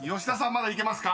まだいけますか？］